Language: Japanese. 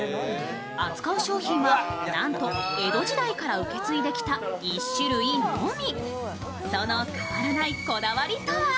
扱う商品は、なんと江戸時代から受け継いできた１種類のみ。